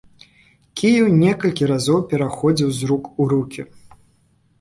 Кіеў некалькі разоў пераходзіў з рук у рукі.